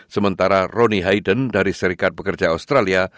sementara ronnie hayden dari serikat bekerja australia